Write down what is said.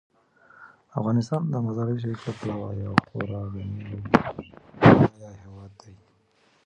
افغانستان د مزارشریف له پلوه یو خورا غني او بډایه هیواد دی.